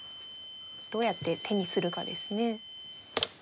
どうやって手にするかですね。